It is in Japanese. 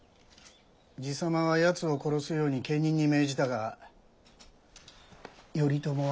爺様はやつを殺すように家人に命じたが頼朝は館を抜け出した。